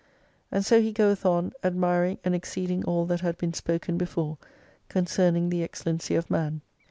And so he goeth on, admiring and exceeding all that had been spoken before concerning the excellency of man.